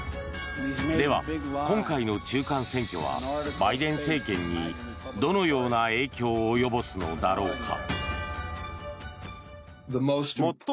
では、今回の中間選挙はバイデン政権にどのような影響を及ぼすのだろうか。